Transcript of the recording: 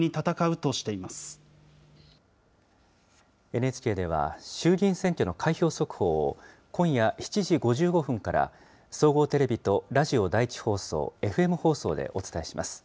ＮＨＫでは、衆議院選挙の開票速報を、今夜７時５５分から、総合テレビとラジオ第１放送、ＦＭ放送でお伝えします。